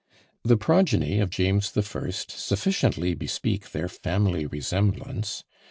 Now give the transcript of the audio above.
The progeny of James the First sufficiently bespeak their family resemblance.